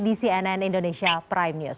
di cnn indonesia prime news